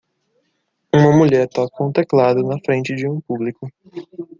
Uma mulher toca um teclado na frente de um público.